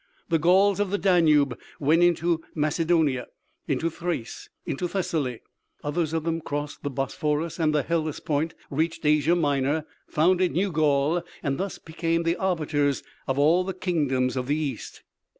The Gauls of the Danube went into Macedonia, into Thrace, into Thessaly. Others of them crossed the Bosphorus and the Hellespont, reached Asia Minor, founded New Gaul, and thus became the arbiters of all the kingdoms of the East."